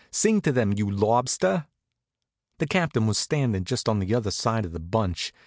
"Sing to 'em, you lobster!" The Captain was standing just on the other side of the bunch.